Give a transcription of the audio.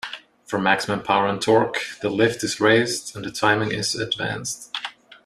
For maximum power and torque, the lift is raised and the timing is advanced.